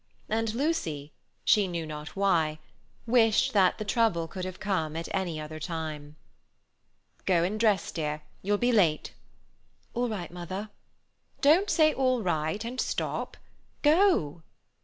And Lucy—she knew not why—wished that the trouble could have come at any other time. "Go and dress, dear; you'll be late." "All right, mother—" "Don't say 'All right' and stop. Go."